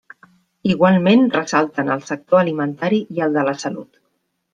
Igualment ressalten el sector alimentari i el de la salut.